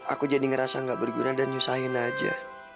aku jadi ngerasa gak berguna dan nyusahin aja